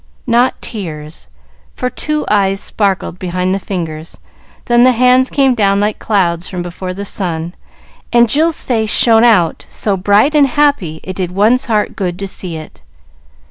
Not tears, for two eyes sparkled behind the fingers, then the hands came down like clouds from before the sun, and Jill's face shone out so bright and happy it did one's heart good to see it.